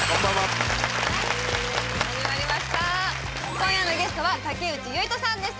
今夜のゲストは竹内唯人さんです